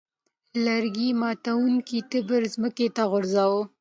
لرګي ماتوونکي تبر ځمکې ته وغورځاوه.